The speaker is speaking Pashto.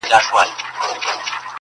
په قېمت لکه سېپۍ او مرغلري-